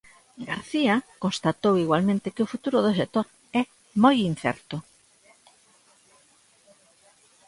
García constatou igualmente que o futuro do sector é "moi incerto".